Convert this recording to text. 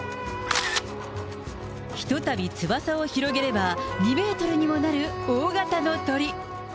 ひとたび翼を広げれば、２メートルにもなる大型の鳥。